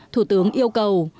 thủ tướng yêu cầu